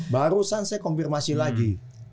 barusan saya konfirmasi lagi